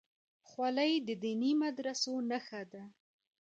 خولۍ د دیني مدرسو نښه ده.